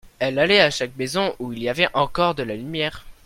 Elle allait à chaque maison où il y avait encore de la lumière.